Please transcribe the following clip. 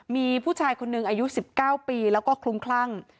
มีผู้ชายคนหนึ่งอายุ๑๙ปีแล้วก็คลุ้มคลั่ง